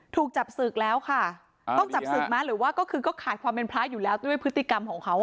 ถูกจับศึกแล้วค่ะต้องจับศึกไหมหรือว่าก็คือก็ขาดความเป็นพระอยู่แล้วด้วยพฤติกรรมของเขา